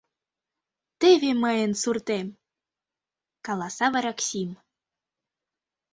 — Теве мыйын суртем! — каласа вараксим.